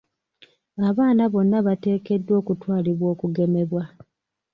Abaana bonna bateekeddwa okutwalibwa okugemebwa.